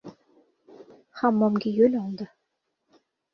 Hammomga yo‘l oldi.